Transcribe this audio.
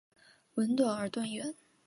吻短而钝圆。